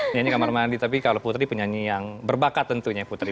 nyanyi kamar mandi tapi kalau putri penyanyi yang berbakat tentunya putri